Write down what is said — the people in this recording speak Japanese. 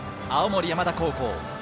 青森山田高校。